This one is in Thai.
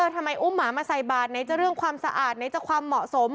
อุ้มหมามาใส่บาทไหนจะเรื่องความสะอาดไหนจะความเหมาะสม